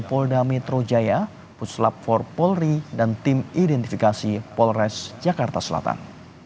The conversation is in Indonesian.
polda metro jaya puslap empat polri dan tim identifikasi polres jakarta selatan